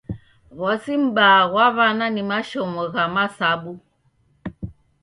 W'asi m'baa ghwa w'ana ni mashomo gha masabu.